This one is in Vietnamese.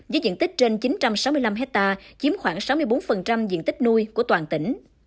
với diện tích trên chín trăm sáu mươi năm hectare chiếm khoảng sáu mươi bốn diện tích nuôi của toàn tỉnh